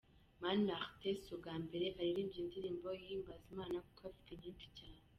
Mani Martin si ubwa mbere aririmbye indirimbo ihimbaza Imana kuko afite nyinshi cyane.